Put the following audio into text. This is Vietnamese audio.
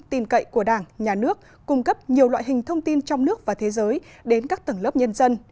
tin cậy của đảng nhà nước cung cấp nhiều loại hình thông tin trong nước và thế giới đến các tầng lớp nhân dân